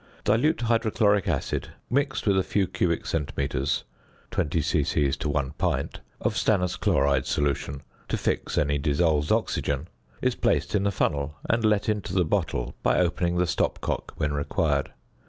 Dilute hydrochloric acid mixed with a few cubic centimetres (20 c.c. to 1 pint) of stannous chloride sol. to fix any dissolved oxygen, is placed in the funnel, and let into the bottle by opening the stopcock when required.